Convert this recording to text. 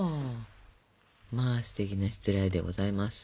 まあすてきなしつらえでございます。